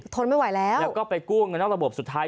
ทนไม่ไหวแล้วแล้วก็ไปกู้เงินนอกระบบสุดท้าย